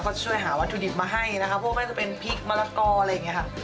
ก็ช่วยหาวัตถุดิบมาให้นะคะพวกไม่ว่าจะเป็นพริกมะละกออะไรอย่างนี้ค่ะ